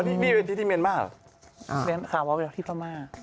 อ๋อนี่เป็นที่ที่เมียนมาร์หรือคำว่าที่เมียนมาร์